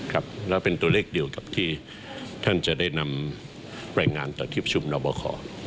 ครับแล้วเป็นตัวเลขเดียวกับที่ท่านจะได้นำรายงานต่อที่ประชุมรอบค